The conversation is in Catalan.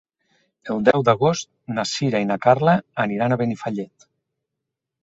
El deu d'agost na Sira i na Carla aniran a Benifallet.